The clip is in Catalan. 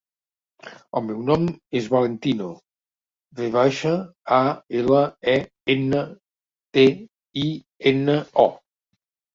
El meu nom és Valentino: ve baixa, a, ela, e, ena, te, i, ena, o.